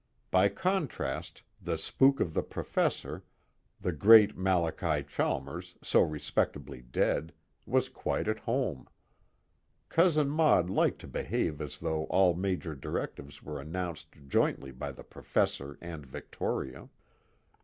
_ By contrast, the spook of The Professor, the great Malachi Chalmers so respectably dead, was quite at home. Cousin Maud liked to behave as though all major directives were announced jointly by The Professor and Victoria.